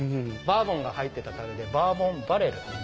バーボンが入ってた樽でバーボンバレル。